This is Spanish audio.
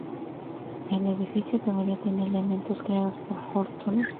El edificio todavía tiene elementos creados por Fortuny.